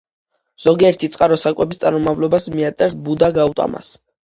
ზოგიერთი წყარო საკების წარმომავლობას მიაწერს ბუდა გაუტამას.